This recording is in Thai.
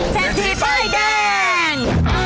เศรษฐีป้ายแดง